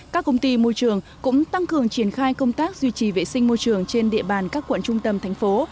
các công ty môi trường cũng tăng cường triển khai công tác duy trì vệ sinh môi trường trên địa bàn các quận trung tâm thành phố